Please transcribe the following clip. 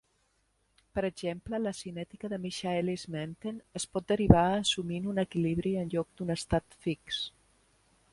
Per exemple, la cinètica de Michaelis-Menten es pot derivar assumint un equilibri enlloc d"un estat fix.